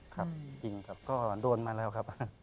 ครับจริงครับก็โดนมาแล้วครับ